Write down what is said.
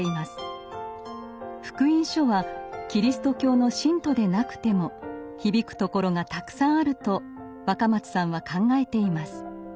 「福音書」はキリスト教の信徒でなくても響くところがたくさんあると若松さんは考えています。